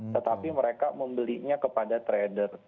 tetapi mereka membelinya kepada trader